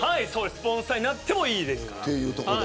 スポンサーになってもいいですから。